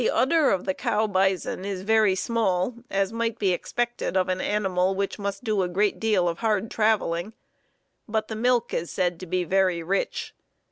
] The udder of the cow bison is very small, as might be expected of an animal which must do a great deal of hard traveling, but the milk is said to be very rich.